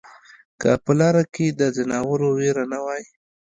که په لاره کې د ځناورو وېره نه وای